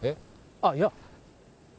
あっいや。